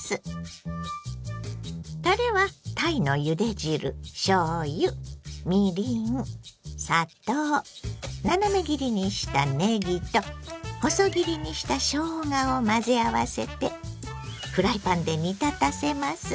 たれはたいのゆで汁しょうゆみりん砂糖斜め切りにしたねぎと細切りにしたしょうがを混ぜ合わせてフライパンで煮立たせます。